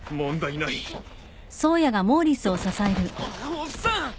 おっさん。